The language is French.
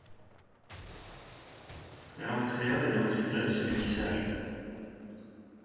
La langue créole est le résultat de ce métissage.